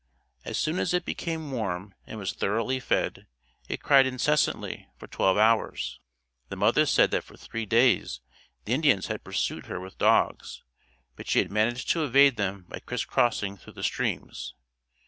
As soon as it became warm and was thoroughly fed, it cried incessantly for twelve hours. The mother said that for three days the Indians had pursued her with dogs, but she had managed to evade them by criss crossing through the streams.